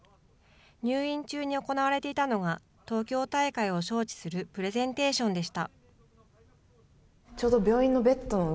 入院中に行われていたのが東京大会を招致するプレゼンテーションでした。